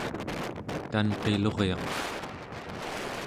tanqiluryaq